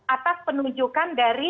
atas penunjukan dari